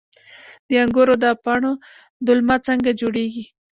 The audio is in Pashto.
د انګورو د پاڼو دلمه څنګه جوړیږي؟